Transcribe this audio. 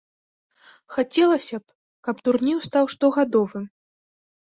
Хацелася б, каб турнір стаў штогадовым.